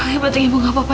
ya berarti ibu gak apa apa